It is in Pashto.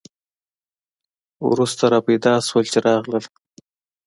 وروسته را پیدا شول چې راغلل.